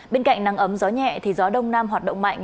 bên cạnh nắng ấm gió nhẹ thì gió đông nam hoạt động mạnh